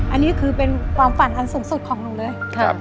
อันนี้คือเป็นความฝันอันสูงสุดของหนูเลย